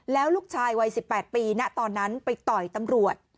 แล้วลูกชายวัย๑๘ปีณตอนนั้นไปต่อยตำรวจ